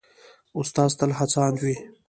استاد تل هڅاند وي.